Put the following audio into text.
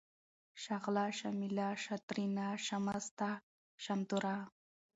شغله ، شمله ، شاترينه ، شامسته ، شامتوره ،